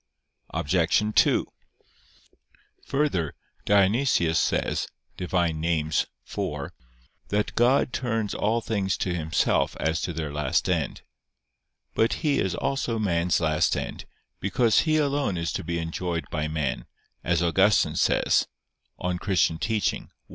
Obj. 2: Further, Dionysius says (Div. Nom. iv) that "God turns all things to Himself as to their last end." But He is also man's last end; because He alone is to be enjoyed by man, as Augustine says (De Doctr. Christ.